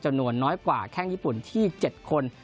จำนวนน้อยกว่าแค่งญี่ปุ่นที่๗คน